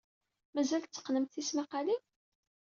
Mazal tetteqqnemt tismaqqalin?